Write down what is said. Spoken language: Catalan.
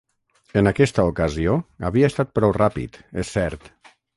En aquesta ocasió, havia estat prou ràpid, és cert.